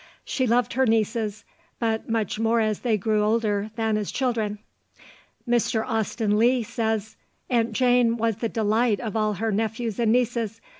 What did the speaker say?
She loved her nieces, but much more as they grew older than as children. Mr. Austen Leigh says: "Aunt Jane was the delight of all her nephews and nieces.